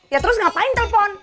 ya terus ngapain telfon